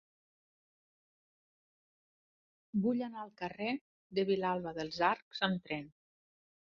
Vull anar al carrer de Vilalba dels Arcs amb tren.